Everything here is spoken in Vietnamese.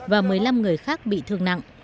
và một mươi năm người khác bị thương nặng